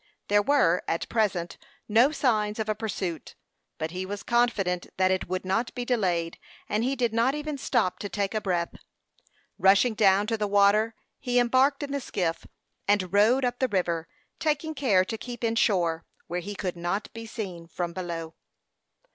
There were, at present, no signs of a pursuit; but he was confident that it would not be delayed, and he did not even stop to take breath. Rushing down to the water, he embarked in the skiff, and rowed up the river, taking care to keep in shore, where he could not be seen from below.